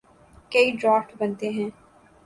کئی ڈرافٹ بنتے ہیں۔